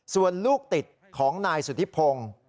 ส่วนลูกติดของนายสุธิพงศ์